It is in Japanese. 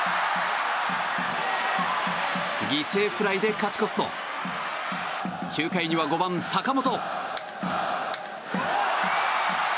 犠牲フライで勝ち越すと９回には５番、坂本。